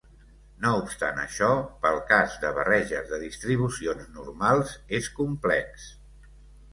No obstant això, pel cas de barreges de distribucions normals és complex.